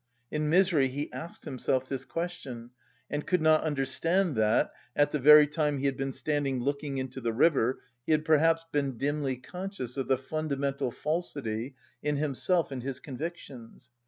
In misery he asked himself this question, and could not understand that, at the very time he had been standing looking into the river, he had perhaps been dimly conscious of the fundamental falsity in himself and his convictions.